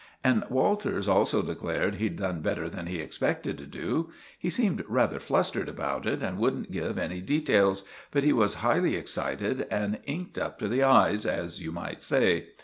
And Walters also declared he'd done better than he expected to do. He seemed rather flustered about it, and wouldn't give any details; but he was highly excited, and inked up to the eyes, as you might say.